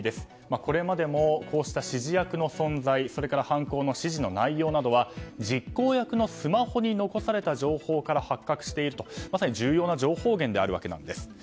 これまでも、こうした指示役の存在それから犯行の指示の内容は実行役のスマホに残された情報から発覚しているとまさに重要な情報源なんです。